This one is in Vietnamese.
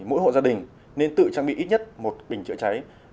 mỗi hộ gia đình nên tự trang bị ít nhất một bình chữa cháy